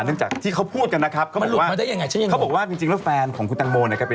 เนื่องจากพูดกันเขาบอกว่าฟานของคุณตังโมว่าแอร์